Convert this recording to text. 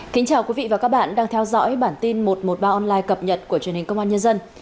kính chào quý vị và các bạn đang theo dõi bản tin một trăm một mươi ba online cập nhật của truyền hình công an nhân dân